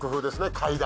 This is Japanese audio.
階段。